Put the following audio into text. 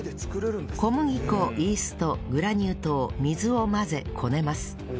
小麦粉イーストグラニュー糖水を混ぜこねます